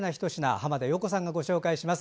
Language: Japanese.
浜田陽子さんがご紹介します。